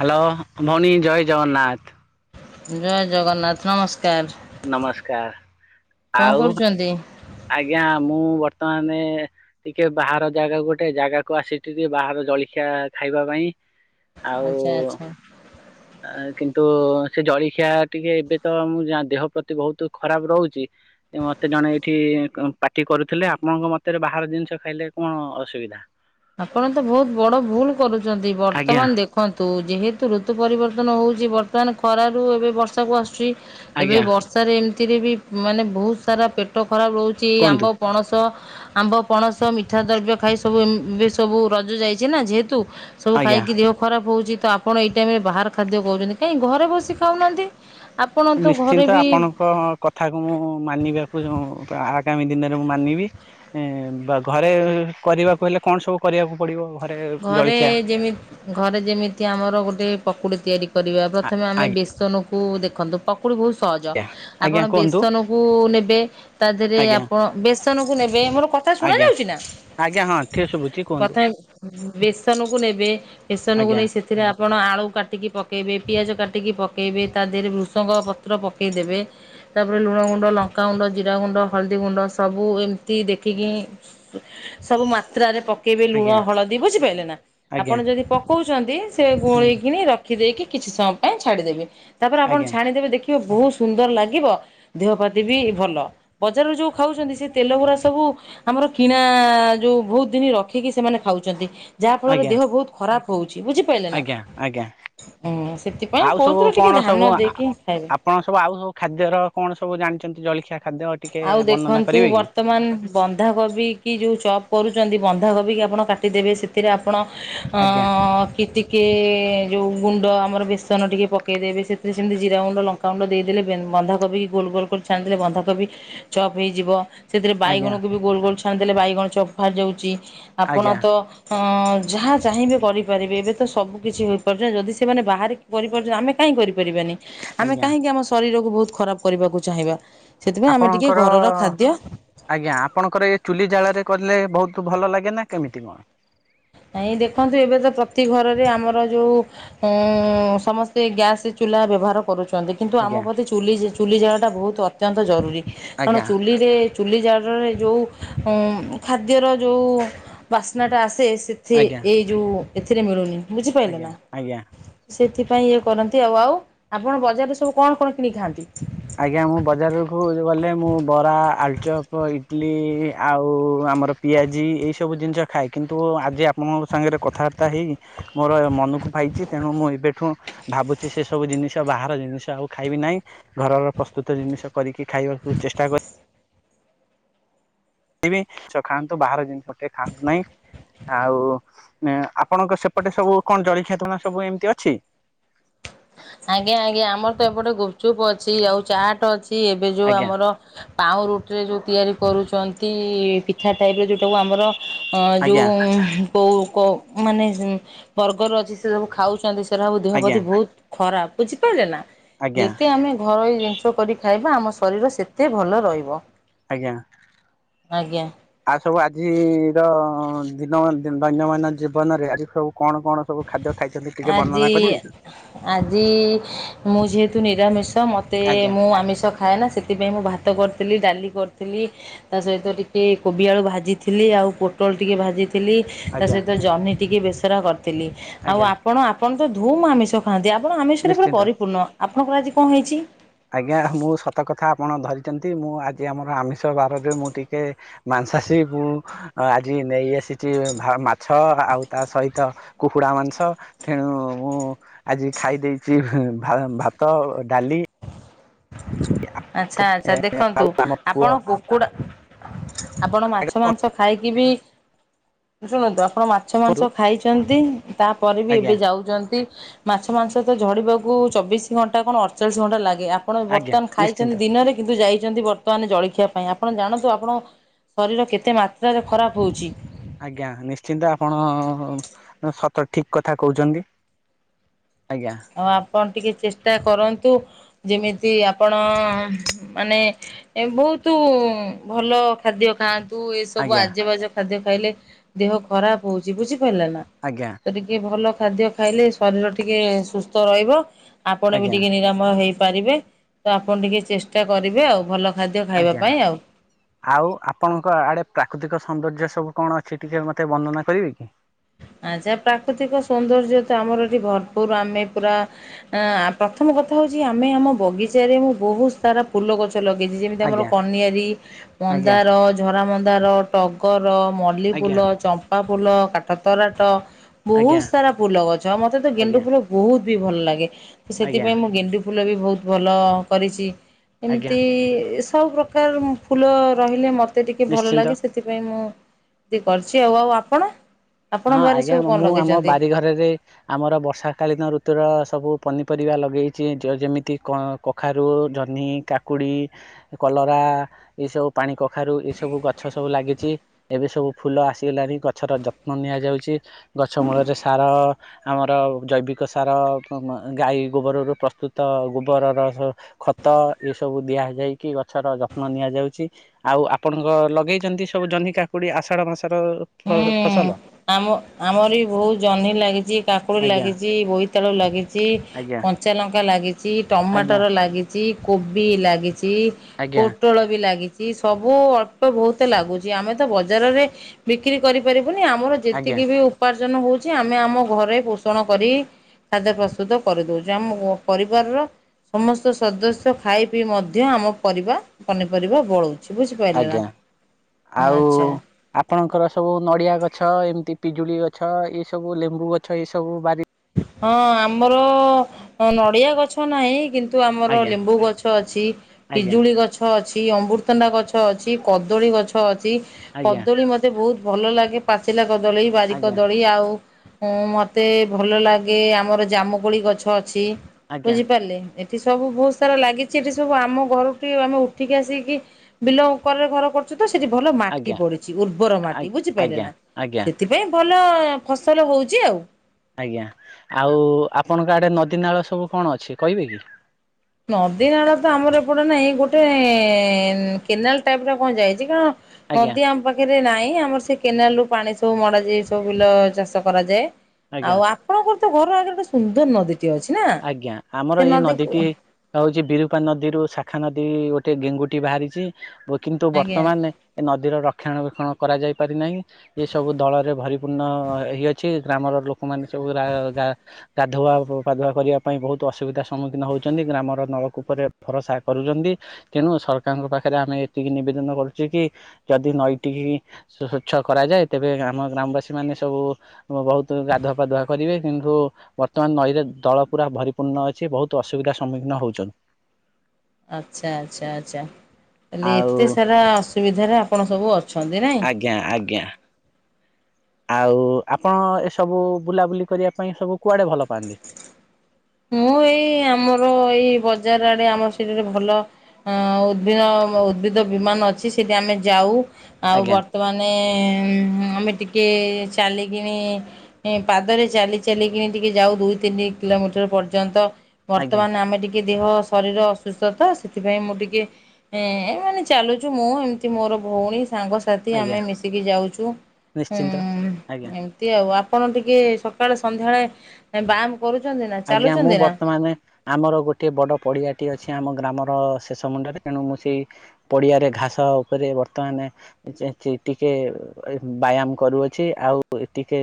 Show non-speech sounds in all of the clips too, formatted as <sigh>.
Hello ଭଉଣୀ ଜୟ ଜଗନ୍ନାଥ। ଜୟ ଜଗନ୍ନାଥ ନମସ୍କାର। ନମସ୍କାର କଣ ଆଉ କରୁଛନ୍ତି? ଆଜ୍ଞା ମୁଁ ବର୍ତ୍ତମାନ ବର୍ତ୍ତମାନେ ଟିକେ ବାହାର ଜାଗା ଗୋଟେ, ଜାଗାକୁ ଆସିଥିଲି, ଟିକେ ବାହାର ଜଳଖିଆ ଖାଇବା ପାଇଁ। ଆଉ ଆଚ୍ଛା ଆଚ୍ଛା। କିନ୍ତୁ ସେ ଜଳଖିଆ ଟିକେ, ଏବେ ତ ମୁ ଯା ଦେହ ପ୍ରତି ବହୁତ ଖରାପ ରହୁଛି। ମତେ ଜଣେ ଏଇଠି ପାଟି କରୁଥିଲେ, ଆପଣଙ୍କ ମତରେ ବାହାର ଜିନିଷ ଖାଇଲେ କଣ ଅସୁବିଧା? ଆପଣ ତ ବହୁତ ବଡ ଭୁଲ କରୁଛନ୍ତି ଆଜ୍ଞା ବର୍ତ୍ତମାନ ଦେଖନ୍ତୁ, ଯେହେତୁ ଋତୁ ପରିବର୍ତ୍ତନ ହଉଛି ବର୍ତ୍ତମାନ ଖରାରୁ ଏବେ ବର୍ଷାକୁ ଆସୁଛି, ଏବେ ଆଜ୍ଞା ବର୍ଷାରେ ଏମିତିରେ ବି ମାନେ ବହୁତ ସାରା ପେଟ ଖରାପ ରହୁଛି କୁହନ୍ତୁ ଆମ୍ବ, ପଣସ, ଆମ୍ବ, ପଣସ ମିଠା ଦ୍ରବ୍ୟ ଖାଇ ସବୁ ଏମ ଏବେ ସବୁ ରଜ ଯାଇଛି ନା, ଯେହେତୁ ସବୁ ଆଜ୍ଞା ଖାଇକି ଦେହ ଖରାପ ହଉଛି। ଆପଣ ଏଇ ଟାଇମରେ ବାହାର ଖାଦ୍ୟ ଖାଉଛନ୍ତି, କାହିଁକି ଘରେ ବସି ଖାଉନାହାନ୍ତି। ଆପଣ ତ ଘରେ ନିଶ୍ଚିନ୍ତ ବି ଆପଣଙ୍କ କଥାକୁ, ମୁଁ ମାନିବାକୁ ଯୋଉ ଆ ଆଗାମୀ ଦିନରେ ମୁଁ ମାନିବି, ବା ଘରେ କରିବାକୁ ହେଲେ କଣ ସବୁ କରିବାକୁ ପଡିବ ଘରେ ଘରେ ଜଳଖିଆ? ଯେମ ଘରେ ଯେମିତି ଆମର, ଗୋଟେ ପକୁଡି ତିଆରି କରିବା ପ୍ରଥମେ ଆମେ ଆଜ୍ଞା ବେସନକୁ, ଦେଖନ୍ତୁ ପ ପକୁଡି ବହୁତ ସହଜ ଆଜ୍ଞା ଆପଣ କୁହନ୍ତୁ ବେସନ କୁ ନେବେ ତା ଦେହେରେ ଆଜ୍ଞା ଆପଣ ବେସ ବେସନକୁ ନେବେ, ମୋର କଥା ଶୁଣ ଆଜ୍ଞା ଯାଉଛି ନା? ଆଜ୍ଞା ହଁ ଠିକ ଶୁଭୁଛି କୁହନ୍ତୁ। କଥା ବେସନକୁ ନେବେ ବେସନକୁ ଆଜ୍ଞା ନେଇ ସେଥିରେ ଆ ଆପଣ ଆଳୁ କାଟିକି ପକେଇବେ, ପିଆଜ କାଟିକି ପକେଇବେ ତା ଦେହରେ ଭୃଷଙ୍ଗ ପତ୍ର ପକେଇଦେବେ। ତାପରେ ଲୁଣ ଗୁଣ୍ଡ, ଲଙ୍କା ଗୁଣ୍ଡ, ଜିରା ଗୁଣ୍ଡ, ହଳଦୀ ଗୁଣ୍ଡ, ସବୁ ଏମିତି ଦେଖିକି ହିଁ ସବୁ ମାତ୍ରାରେ ପ ପକେଇବେ ଲୁଣ, ଆଜ୍ଞା ହଳଦୀ ବୁଝିପାରିଲେ ନା ଆଜ୍ଞା ଆପଣ ଯଦି ପକଉଛନ୍ତି ସେ ହୁଁ ଗୋଳେଇକିନି ରଖ ଖିଦେଇ କି କିଛି ସମୟ ପାଇଁ ଛାଡିଦେବେ ତାପରେ ଆପଣ ଆଜ୍ଞା ଛାଣିଦେବେ ଦେଖି ବହୁତ ସୁନ୍ଦର ଲାଗିବ, ଦେହପ୍ରତି ବି ଭଲ ବଜାରରୁ ଯୋଉ ଖାଉଛନ୍ତି ସେ ତେଲ ଗୁରା ସବୁ ଆମର କିଣା ଯୋଉ ବହୁତ ଦିନ ରଖିକି ସେମାନେ ଖାଉଛନ ଯାହା ଫଳରେ ଆଜ୍ଞା ଦେହ ବହୁତ ଖରାପ ହଉଛି ବୁଝିପାରିଲେ ନା। ଆଜ୍ଞା ଆଜ୍ଞା। ହୁଁ ସେଥିପାଇଁ ଆଉ ସବୁ କହୁଥିଲି ଟିକେ କଣ ଧ୍ୟାନ ସବୁ ଆ ଦେଇକି ଖାଇବେ। ଆପଣ ସବୁ ଆଉ ସବୁ ଖାଦ୍ୟର କଣ ସବୁ ଜାଣିଛନ୍ତି? ଜଳୀଖିଆ। ଆଉ ଦେଖନ୍ତୁ ବର୍ତ୍ତମାନ ବନ୍ଧାକୋବି କି ଯୋଉ ଚପ୍ କରୁଛନ୍ତି, ବନ୍ଧାକୋବି କି ଆପଣ କାଟିଦେବେ ସେଥିରେ ଆପଣ ଅ ଆଜ୍ଞା ଟିକେ ଯଉ ଗୁଣ୍ଡ ଆମର ବେସନ ଟିକେ ପକେଇଦେବେ, ସେଥିରେ ସେମିତି ଜିରା ଗୁଣ୍ଡ ଲଙ୍କାଗୁଣ୍ଡ ଦେଇଦେଲେ ବେ ବନ୍ଧାକୋବିକୁ ଗୋଲ୍ ଗୋଲ୍ କରି ଛାଣିଦେଲେ ବନ୍ଧାକୋବି ଚପ୍ ହେଇଯିବ ସେଥିରେ ଆଜ୍ଞା ବାଇଗଣକୁ ବି ଗୋଲ୍ ଗୋଲ୍ ଛାଣିଦେଲେ ବାଇଗଣ ଚପ୍ ବାହାରିଯାଉଛି। ଆପଣ ଆଜ୍ଞା ତ ଅ ଯାହା ଚାହିଁବେ କରିପାରିବେ, ଏବେ ତ ସବୁ କିିଛି ହୋଇପାରୁଛି। ଯଦି ସେମାନେ ବାହାରେ କରିପାରୁଛନ୍ତି ଆମେ କାହିଁକି କରିପାରିବାନି ଆମେ ଆଜ୍ଞା କାହିଁକି ଆମ ଶରୀରକୁ ବହୁତ ଖରାପ କରିବାକୁ ଚାହିଁବା? ସେଥିପାଇଁ ଆମେ ଟିକେ ଆପଣଙ୍କର ଘରର ଖାଦ୍ୟ ଆଜ୍ଞା ଆପଣଙ୍କର ଏ ଚୁଲି ଜାଳ ରେ କଲେ ବହୁତ ଭଲ ଲାଗେ ନା କେମିତି କଣ? ନାଇଁ ଦେଖନ୍ତୁ ଏବେ ତ ପ୍ରତି ଘରରେ ଆମର ଯୋଉ ସମସ୍ତେ ଗ୍ୟାସ ଚୁ ଲା ବ୍ୟବହାର କରୁଛୁ। ଛନ୍ତି କିନ୍ତୁ ଆମ ଆଜ୍ଞା ପ୍ରତି ଚୁଲି ଚୁଲି ଜାଳଟା ବହୁତ ଅତ୍ୟନ୍ତ ଜରୁରୀ, କାରଣ ଆଜ୍ଞା ଚୁଲିରେ ଚୁଲି ଜାଳରେ ଯୋଉ ଖାଦ୍ୟର ଯୋଉ ବାସ୍ନାଟା ଆସେ ସେ ଆଜ୍ଞା ଏଇ ଯୋଉ ଏଥିରେ ମିଳୁନି। ବୁଝିପାରିଲେ ଆଜ୍ଞା ନା। ଆଜ୍ଞା। ସେଥିପାଇଁ ଇଏ କରନ୍ତି ଆଉ। ଆଉ ଆପଣ ବଜାରରେ ସବୁ କଣ କଣ କିଣି ଖାଆନ୍ତି? ଆଜ୍ଞା ମୁଁ ବଜାରକୁୁ ଗଲେ ମୁଁ ବରା, ଆଳୁଚପ, ଇଟଲି ଆଉ ଆମର ପିଆଜି ଏଇ ସବୁ ଜିନିଷ ଖାଏ, କିନ୍ତୁ ଆଜି ଆପଣଙ୍କ ସାଙ୍ଗରେ କଥାବାର୍ତ୍ତା ହେଇକି ମୋର ମନକୁ ପାଇଛି ତେଣୁ ମୁଁ ଏବେଠୁ ଭାବୁଛି ସେ ସବୁ ଜିନିଷ ବାହାର ଜିନିଷ ଆଉ ଖାଇବି ନାହିଁ। ଘରର ପ୍ରସ୍ତୁତ ଜିନିଷ କରିକି ଖାଇବାକୁ ଚେଷ୍ଟା କ ରିବି ଖାଆନ୍ତୁ ବାହାର ଜିନିଷ କିଏ ଖାଆନ୍ତୁ ନାହିଁ। ଆଉ ଆପଣଙ୍କ ସେପଟେ ସବୁ କଣ ଜଳିଖିଆ <unintelligible> ସବୁ ଏମିତି ଅଛି। <inaudible> ଆଜ୍ଞା ଆଜ୍ଞା ଆମର ତ ଏପଟେ ଗୁପଚୁପ୍ ଅଛି ଆଉ ଚାଟ ଅଛି ଏବେ ଯୋଉ ଆଜ୍ଞା ଆମର ପାଉଁ ରୁଟିରେ ଯେଉଁ ତିଆରି କରୁଛନ୍ତି ପିଠା ଟାଇପରେ ଯେଉଁଟାକୁ ଆମର ଅ ଆଜ୍ଞା ଯୋଉ କଉ କୋଉ ମାନେ ବର୍ଗର ଅଛି ସେ ସବୁ ଖାଉଛନ୍ତି। ଦେହ ଆଜ୍ଞା ପ୍ରତି ବହୁତ ଖରାପ ବୁଝିପାରିଲେ ନା ଆଜ୍ଞା ଯେମିତି ଆମେ ଘରଇ ସବୁ କରି ଖାଇବା ଆମ ଶରୀର ସେତେ ଭଲ ରହିବ। ଆଜ୍ଞା ଆଜ୍ଞା। ଆ ସବୁ ଆଜିର ଦିନ ଦୈନଦୀନ ଜୀବନରେ ଆଜି ସବୁ କଣ କଣ ସବୁ ଖାଦ୍ୟ ଖାଇଛନ୍ତି ଟିକେ ଆଜି ବର୍ଣ୍ଣନା କରିବେ? ଆଜି। ମୁଁ ଯେହେତୁ ନିରାମିଷ ମୋତେ ଆଜ୍ଞା ମୁଁ ଆମିଷ ଖାଏ ନା ସେଥିପାଇଁ ମୁଁ ଭା ତ କରିଥିଲି ଡାଲି କରିଥିଲି ତା ସହିତ ଟିକେ କୋବି ଆଳୁ ଭାଜିଥିଲି ଆଉ ପୋଟଳ ଟିକେ ଭାଜିଥିଲି। ତା ଆଜ୍ଞା ସହିତ ଯହ୍ନି ଟିକେ ବେସର କରିଥିଲି ଆଉ ଆଜ୍ଞା ଆପଣ ଆପଣ? ଧୁମ ଆମିଷ ଖାନ୍ତି ଆପଣ ଆମିଷରେ ପୁରା ନିଶ୍ଚିନ୍ତ। ପରିପୂର୍ଣ୍ଣ ଆପଣଙ୍କର ଆଜି କଣ ହେଇଛି? ଆଜ୍ଞା ମୁଁ ସତ କଥା ଆପଣ ଧରିଛନ୍ତି। ମୁଁ ଆଜି ଆମର ଆମିଷ ବାରରେ ମୁଁ ଟିକେ ମା ମାଂସାଷୀ କୁ ଆଜି ନେଇ ଆସିଛି ମାଛ ଆଉ ତା ସହିତ କୁକୁଡ଼ା ମା ମାଂସ। ତେଣୁ ମୁଁ ଆଜି ଖାଇ ଦେଇେଇଛି ଭାତ ଡାଲି। ଆଛା ଆଚ୍ଛା ଆଉ ଦେଖନ୍ତୁ ଆମ ପୁଅ ଆପଣ କୁକୁଡ଼ା- ଆପଣ ମାଛ ମାଂସ ଖାଇକି ବି ଶୁଣନ୍ତ ଆ - ଆପଣ ମାଛ ମାଂସ କୁହନ୍ତୁ। ଖାଇଛନ୍ତି। ତାପରେ ବି ଏବେ ଆଜ୍ଞା ଯାଉଛନ୍ତି। ମାଛ ମାଂସ ତ ଝଡିବାକୁ ଚବିଶି ଘଣ୍ଟା କଣ ଅଠଚାଳିଶ ଘଣ୍ଟା ଲାଗେ। ଆପଣ ଆଜ୍ଞା ବର୍ତ୍ତମାନ ଖାଇକି- ନିଶ୍ଚିନ୍ତ ତି ଦିନରେ କିନ୍ତୁ ଯାଇ- ବର୍ତ୍ତମାନ ଜଳଖିିବା ପାଇଁ ଆପଣ ଜାଣନ୍ତୁ ଆପଣଙ୍କ ଶରୀର କେତେ ମାତ୍ରାରେ ଖରାପ ହଉଛି। ଆଜ୍ଞା, ନିଶ୍ଚିନ୍ତ ଆପଣ ସତ ଠିକ୍ କଥା କହୁଛନ୍ତି। ଆଜ୍ଞା। ଆଉ ଆପଣ ଟିକେ ଚେଷ୍ଟା କରନ୍ତୁ। ଯେମିତି ଆପଣ ମାନେ ବହୁ ବହୁତୁ ଭଲ ଖାଦ୍ୟ ଖାଆନ୍ତୁ। ତୁ ଏସବୁ ଆଜ୍ଞା ଆଜେ ବାଜେ ଖାଦ୍ୟ ଖାଇଲେ ଦେହ ଖରାପ ହଉଛି ବୁଝି ହେଲା ନା ଆଜ୍ଞା ତ ଟିକେ ଭଲ ଖାଦ୍ୟ ଖାଇଲେ ଶରୀର ଟିକେ ସୁସ୍ଥ ରହିବ। ଆପଣ ବି ଆଜ୍ଞା ଟିକେ ନିରାମୟ ହେଇପାରିବେ ତ ଆପଣ ଟିକେ ଚେଷ୍ଟା କରିବେ ଆଉ ଭଲ ଖାଦ୍ୟ ଖାଇବା ଆଜ୍ଞା। ପାଇଁ ଆଉ ଆଉ ଆପଣଙ୍କ ଆଡେ ପ୍ରାକୃତିକ ସୌନ୍ଦର୍ଯ୍ୟ ସ ସବୁ କଣ ଅଛି ଟିକେ ମତେ ବର୍ଣ୍ଣନା କରିବେ କି? ଆଜା ପ୍ରାକୃତିକ ସୌନ୍ଦର୍ଯ୍ୟ ତ ଆମର ଏଠି ଭରପୁର ଆମେ ପୁରା ପ୍ରଥମ ପ୍ରଥମେ ହୋଉଚି ଆମେ ଆମ ବଗିଚାରେ ମୁଁ ବୋହୁତ ସାରା ଫୁଲ ଗଛ ଲଗେଇଚି ଯେମିତି ଆମର ଆଜ୍ଞା କନିଆରୀ, ଆଜ୍ଞା ମନ୍ଦାର, ଝରା ମନ୍ଦାର, ଟଗ ର, ଆଜ୍ଞା ମଲ୍ଲିଫୁଲ, ଚମ୍ପା ଫୁଲ, କାଠ ତରାଟ ବୋହୁତ ଆଜ୍ଞା ସାରା ଫୁଲ ଗଛ ମତେ ତ ଗେଣ୍ଡୁ ଆଜ୍ଞା ଫୁଲ ବୋହୁତ ବି ଭଲ ଲାଗେ। ତ ଆଜ୍ଞା ସେଥିପାଇଁ ମୁଁ ଗେଣ୍ଡୁ ଫୁ ଫୁଲ ବି ବୋହୁତ ଭଲ କରିଚି। ଆଜ୍ଞା ଏମିତି ସବୁ ପ୍ରକାର ଫୁଲ ରହିଲେ ମତେ ଟିକେ ଭଲ ନିଶ୍ଚିନ୍ତ ଲାଗେ। ସେଥିପାଇଁ ମୁଁ କରିଚି। ଆଉ ଆଉ ଆପଣ? ହଁ ଆପଣଙ୍କ ବାରିରେ ଆଜ୍ଞା ସବୁ କଣ ମୁଁ ଆମ ଲଗେଇଛନ୍ତି? ବାରିଘରରେ ଆମର ବର୍ଷା କାଳୀନ ଋତୁର ସବୁ ପନିପରିବା ଲଗେଇଚି। ଯ-ଯେମିତି କ-କଖାରୁ, ଜହ୍ନି, କାକୁଡ଼ି, କ ଲରା, ଏ ସବୁ ପାଣି କଖାରୁ, ଏ ସବୁ ଗଛ ସବୁ ଲାଗିଚି। ଏବେ ସବୁ ଫୁଲ ଆସିଗଲାଣି ଗ୍ ଛର ଜ ନିଆଯାଉଚି ଗଛ ମୂଳରେ ସାର ଆମର ଜୈବିକ ସାର ମ୍ ମ୍ ଗାଈ ଗୋବରରୁ ପ୍ରସ୍ତୁତ ଗୋବରର ଖତ ଏ ସବୁ ଦିଆଯାଇକି ଗଛର ଯତ୍ନ ନିଆ ଯାଉଛି। ଆଉ ଆପଣଙ୍କ ଲଗେଇଚନ୍ତି ସବୁ ଜହ୍ନି କାକୁଡି ଆଷାଢ ମାସର ହୁଁ। ଫ-ଫସଲ? ଆମ ଆମର ବି ବୋହୁତ ଜହ୍ନି ଲାଗିଚି, କାକୁଡ଼ି ଆଜ୍ଞା ଲାଗିଚି, ବୋଇତାଳୁ ଲାଗିଚି, ଆଜ୍ଞା କଞ୍ଚାଲ ଙ୍କା ଲାଗିଚି, ଆଜ୍ଞା ଟମାଟର ଲାଗିଚି, କୋବି ଲାଗିଚି, ଆଜ୍ଞା ପୋଟଳ ବି ଲାଗିଚି ସବୁ ଅଳ୍ପେ ବୋହୁତ ଲାଗୁଚି। ଆମେ ତ ବଜାରରେ ବିକ୍ରି କରିପାରି ଆମର ଆଜ୍ଞା ଯେତିକି ବି ଉପାର୍ଜନ ହୋଉଚି, ଆମେ ଆମ ଘରେ ପୋଷଣ କରି ଖାଦ୍ୟ ପ୍ରସ୍ତୁତ କରିଦଉଛି। ଆମ ପରିବାରର ସମସ୍ତ ସଦସ୍ୟ ଖାଇ ପିଇ ମଧ୍ୟ ଆମ ପରିବା ପନିପରିବା ବଳୁ। ଆଜ୍ଞା, ଆଉ ଆଚ୍ଛା ଆପଣଙ୍କର ସବୁ ନଡ଼ିଆ ଗଛ, ଏମିତି ପିଜୁଳି ଗଛ, ଏ ସବୁ ଲେମ୍ବୁ ଗଛ, ଏ ସବୁ ବାରି ହଁ ଆମର ନଡ଼ିଆ ଗଛ ନାହିଁ କିନ୍ତୁ ଆମର ଆଜ୍ଞା ଲେମ୍ବୁ ଗଛ ଅଛି, ଆଜ୍ଞା ପିଜୁଳି ଗଛ ଅଛି, ଅମୃତଣ୍ଡା ଗଛ ଅଛି, କଦଳୀ ଗଛ ଅଛି, ଆଜ୍ଞା କଦଳୀ ମତେ ବହୁତ ଭଲ ଲାଗେ, ପାଚିଲାକ ଦଳି ଆଜ୍ଞା ବାରିକଦଳୀ, ଆଉ ମତେ ଭଲ ଲାଗେ ଆମର ଜାମୁକୋଳି ଗଛ ଅ ଜି ଆଜ୍ଞା ବୁଝିପାରିଲେ। ଏଠି ସବୁ ବହୁତ ସାରା ଲାଗିଛି, ଏଠି ସବୁ ଆମ ଘରକୁ ଟିକେ ଆମେ ଉଠିକି ଆସିକି ବିଲ କରେର ଘର କରୁଛୁ। ସେଠି ଭଲ ମାଟି ଆଜ୍ଞା ପଡିଛି ଉର୍ବର ମାଟି ବୁଝିପାରିଲେ ନା ଆଜ୍ଞା ଆଜ୍ଞା ସେଥିପାଇଁ ଭଲ। ଭଲ ଫସଲ ହଉଛି ଆଉ। ଆଜ୍ଞା, ଆଉ ଆପଣଙ୍କ ଆଡେ ନଦୀ ନାଳ ସବୁ କଣ ଅଛି କହିବେ କି? ନଦୀ ନାଳ ତ ଆମର ଏପଟେ ନାହିଁ। ଗୋଟେ କେନାଲ ଟାଇପ ର କଣ ଯାଇଛି କଣ? ଆଜ୍ଞା ନଦୀ ଆମ ପାଖରେ ନାହିଁ। ଆମର ସେ କେନାଲ ରୁ ପାଣି ସବୁ ମଡ ଯାଇ ସବୁ ବିଲ ଚାଷ କରାଯାଏ ଆଜ୍ଞା ଆଉ ଆପଣଙ୍କ ତ ଘର ଆଗରେ ଗୋଟେ ସୁନ୍ଦର ନଦୀଟି ଅଛି ନା ଆଜ୍ଞା ଆମର ସେ ଏ ନଦୀ ନଦୀଟି ହଉଛି ବିରୁପା ନଦୀରୁ ଶାଖା ନଦୀ ଗୋଟେ ଗେଙ୍ଗୁଟି ବାହାରିଛି। କିନ୍ତୁ ଆଜ୍ଞା ବର୍ତ୍ତମାନ ଏ ନଦୀର ରକ୍ଷଣାବେକ୍ଷଣ। କରାଯାଇ ପାରିନାହିଁ ଏସବୁ ଦଳରେ ଭରିପୂର୍ଣ୍ଣ ହେଇଅଛି ଗ୍ରାମର ଲୋକମାନେ ସବୁ ଗା ଗାଧୁଆ ପାଧୁଆ କରିବା ପାଇଁ ବହୁତ ଅସୁବିଧାର ସମ୍ମୁଖୀନ ହେଉଛନ୍ତି ଗ୍ରାମର ନଳକୂପରେ ଭରସା କରୁଛନ୍ତି ତେଣୁ ସରକାର ପାଖରେ ଆମେ ଏତିକି ନିବେଦନ କରୁଛୁ କି ଯଦି ନଈ ଟିକି ସ୍ୱଚ୍ଛ କରାଯାଏ ତେବେ ଆମ ଗ୍ରାମବାସୀ ମାନେ ସବୁ ବହୁତ ଗାଧୁଆ ପାାଧୁଆ କରିବେ କିନ୍ତୁ ବର୍ତ୍ତମାନ ନଈରେ ଦଳ। ପୁରା ଭରିପୂର୍ଣ୍ଣ ଅଛି ବହୁତ ଅସୁବିଧାର ସମ୍ମୁଖୀନ ହଉଛନ୍ତି। ଆଚ୍ଛା ଆଚ୍ଛା ଆଚ୍ଛା। କାଲି ଆଉ ଏତେ ସାରା ଅସୁବିଧାରେ ଆପଣ ସବୁ ଅଛନ୍ତି ନାଇଁ ଆଜ୍ଞା ଆଜ୍ଞା। ଆଉ ଆପଣ ଏସବୁ ବୁଲାବୁଲି କରିବା ପାଇଁ ସବୁ କୁଆଡେ ଭଲ ପାଆନ୍ତି। ହୁଁ। ହଁ ଏଇ ଆମର ଏଇ ବଜାର ଆଡେ ଆମର ସେଠି ଭଲ ଉଭିନ ଉଭି ବିମାନ ଅଛି ସେଠି ଆମେ ଯାଉ ଆଉ ଆଜ୍ଞା ବର୍ତ୍ତମାନ ଆମେ ଟିକେ ଟିକଏ ଚାଲିକଣି ପାଦରେ ଚାଲି ଚାଲିିକଣି ଟିକେ ଯାଉ ଦୁଇ ତିନି କିଲୋମିଟର। ପର୍ଯ୍ୟନ୍ତ ଆଜ୍ଞା ବର୍ତ୍ତମାନ ଆମେ ଟିକେ ଦେହ ଶରୀର ଅସୁସ୍ଥତ, ସେଥି ପାଇଁ ମୁଁ ଟିକେ ଚାଲୁଛୁ ମୁ ଏମତି ଟିକେ। ସାଙ୍ଗସାଥି ଆମେ ଆଜ୍ଞା ମିଶିକି ଯାଉଛୁଁ ନିଶ୍ଚିନ୍ତ ଆଜ୍ଞା ଏମତି ଆଉ ଆପଣ ଟିକେ ସକାଳେ ସନ୍ଧ୍ୟାଳେ ବ୍ୟାୟାମ କରୁଛନ୍ତି। ନା ଆଜ୍ଞା ମୁଁ ଚାଲୁଛନ୍ତି ନା? ବର୍ତ୍ତମାନ ଆମର ଗୋଟେ ବଡ ପଡିଆଟି ଅଛି ଆମ ଗ୍ରାମର। ଶେଷ ମୁଣ୍ଡରେ ତେଣୁ ମୁଁ ସେଇ ପଡ଼ିଆରେ ଘାସ ଉପରେ ବର୍ତ୍ତମାନ ଟିକେ ବ୍ୟାୟାମ କରୁଅଛି ଆଉ ଟିକିେ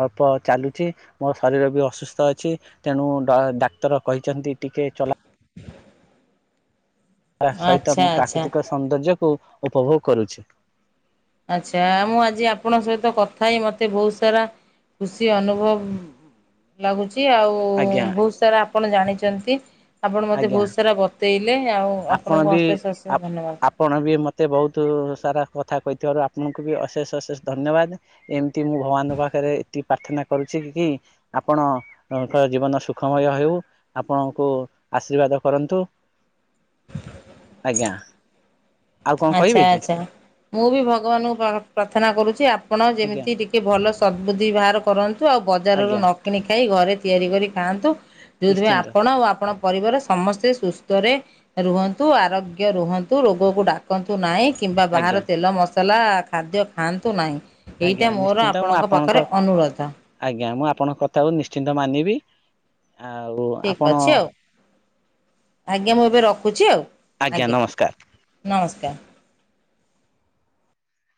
ଅଳ୍ପ ଚାଲୁଛି ମୋ ଶରୀର ବି ଅସୁ ସୁସ୍ଥ ଅଛି ତେଣୁ ଡାକ୍ତର କହିଛନ୍ତି ଟିକେ ଚଲା ଏହା ସହିତ ଆଚ୍ଛା ମୁଁ ଆଚ୍ଛା ପ୍ରାକୃତିକ ସୌନ୍ଦର୍ଯ୍ୟକୁ ଉପଭୋଗ କରୁଛି। ଆଛା ମୁଁ ଆଜି ଆପଣଙ୍କ ସହିତ କଥା ହେଇ ମତେ ବହୁତ ସାରା। ଖୁସି ଅନୁଭବ ଲାଗୁଛି। ଆଉ ଆଜ୍ଞା ବହୁତ ସାରା ଆପଣ ଜାଣିଛନ୍ତି। ଆପଣ ମୋତେ ଆଜ୍ଞା ବହୁତ ସାରା ବତେଇଲେ ଆଉ ଆପଣ ଆପଣଙ୍କୁ ବି ଅଶେଷ ଅଶେଷ ଆପ ଧନ୍ୟବାଦ। ଆପଣ ବି ମୋତେ ବହୁତ ସାରା କଥା କଇ ଥିବାରୁ ଆପଣଙ୍କୁ ବି ଅଶେଷ ଅଶେଷ ଧନ୍ୟବାଦ ଏମିତି ମୁଁ ଭଗବାନଙ୍କ ପାଖରେ ଏତିକି ପ୍ରାର୍ଥନା କରୁଛି କି ଆପଣଙ୍କ ଜୀବନ ସୁଖମୟ ହେଉ ଆପଣଙ୍କୁ ଆଶୀର୍ବାଦ କରନ୍ତୁ। ଆଜ୍ଞା। ଆଉ କଣ ଆଛା କହିବେ କି ଆଛା ମୁଁ ବି ଭଗବାନଙ୍କୁ ପ୍ରାର୍ଥନା କରୁଛି। ଆପଣ ଆଜ୍ଞା ଯେମିତି ଟିକେ ଭଲ ସଦ୍ବୁଦ୍ଧି ବାହାର କରନ୍ତୁ ଆଉ ବଜାରରୁ ଆଜ୍ଞା ନ କିଣି ଖାଇ ଘରେ ତିଆରି କରି ଖାଆନ୍ତୁ ଯଉଥିପାଇଁ ନିଶ୍ଚିନ୍ତ ଆପଣ ଆ ଆପଣ ପରିବାର ସମସ୍ତେ ସୁସ୍ଥରେ ରୁହନ୍ତୁ, ଆରୋଗ୍ୟ ରୁହନ୍ତୁ ରୋଗକୁ ଡାକନ୍ତୁ ନାହିଁ କିମ୍ବା ଆଜ୍ଞା ବାହହାର ତେଲ ମସଲା ଖାଦ୍ୟ ଖାଆନ୍ତୁ ନାହିଁ ଆଜ୍ଞା ଏଇଟା ମୋର ନିଶ୍ଚିନ୍ତ ମୁଁ ଆପଣଙ୍କ ପାଖରେ ଅନୁରୋଧ। ଆଜ୍ଞା ମୁଁ ଆପଣଙ୍କ କଥାକୁ ନିଶ୍ଚିନ୍ତ ମାନିବି ଆଉ ଠିକ୍ ଆପଣ ଅଛି ଆଉ ଆଜ୍ଞା ମୁଁ ଏବେ ରଖୁଛି, ଆଉ ଆଜ୍ଞା ନମସ୍କାର।